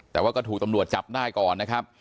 แต่ว่าก็ถูกตำรวจจับได้ก่อนนะครับ